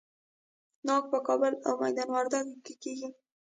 ناک په کابل او میدان وردګو کې کیږي.